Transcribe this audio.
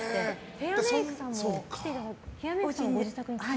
ヘアメイクさんもご自宅に？